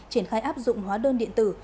triển khai áp dụng hóa đơn điện tử